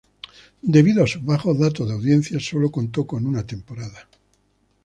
Debido a sus bajos datos de audiencia solo contó con una temporada.